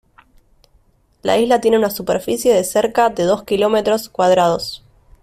La isla tiene una superficie de cerca de dos kilómetros cuadrados.